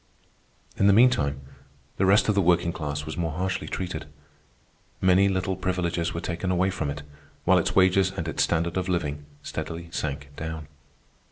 In the meantime, the rest of the working class was more harshly treated. Many little privileges were taken away from it, while its wages and its standard of living steadily sank down.